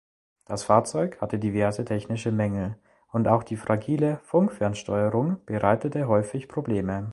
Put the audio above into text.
Das Fahrzeug hatte diverse technische Mängel und auch die fragile Funkfernsteuerung bereitete häufig Probleme.